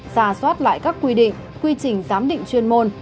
ra soát lại các quy định quy trình giám định chuyên môn